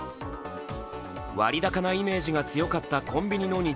割高なイメージが強かったコンビニの日